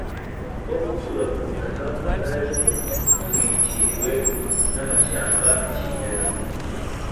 bwo gutura ku butaka bwari butwikiriwe n’amashyamba kimeza,